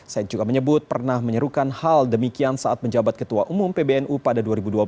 said juga menyebut pernah menyerukan hal demikian saat menjabat ketua umum pbnu pada dua ribu dua belas